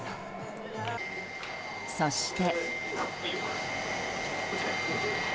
そして。